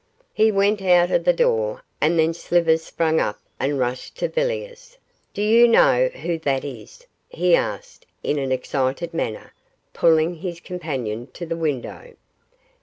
He went out of the door, and then Slivers sprang up and rushed to Villiers. 'Do you know who that is?' he asked, in an excited manner, pulling his companion to the window.